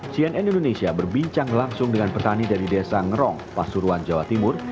cnn indonesia berbincang langsung dengan petani dari desa ngerong pasuruan jawa timur